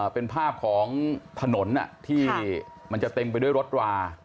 เป็นภาพของถนนที่มันจะเต็มไปด้วยรถรา